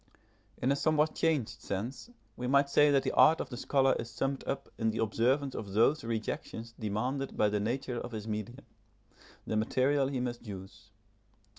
In a somewhat changed sense, we might say that the art of the scholar is summed up in the observance of those rejections demanded by the nature of his medium, the material he must use.